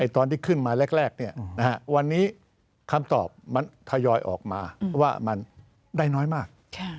ตอนที่ขึ้นมาแรกวันนี้คำตอบมันทยอยออกมาว่ามันได้น้อยมาก